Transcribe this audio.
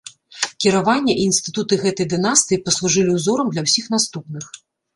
Кіраванне і інстытуты гэтай дынастыі паслужылі ўзорам для ўсіх наступных.